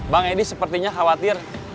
bang edi sepertinya khawatir